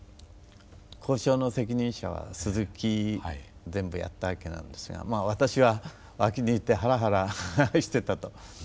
交渉の責任者は鈴木全部やったわけなんですが私は脇にいてハラハラしてたと。